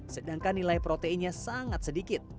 sedangkan nilai proteinnya sangat sedikit